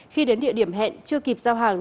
khi đến địa điểm hẹn chưa kịp giao hàng